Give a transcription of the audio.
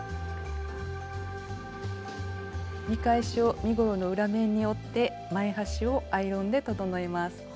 見返しを身ごろの裏面に折って前端をアイロンで整えます。